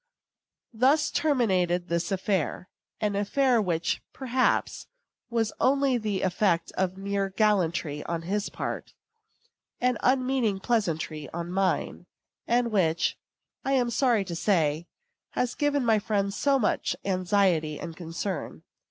Thus terminated this affair an affair which, perhaps, was only the effect of mere gallantry on his part, and of unmeaning pleasantry on mine, and which, I am sorry to say, has given my friends so much anxiety and concern.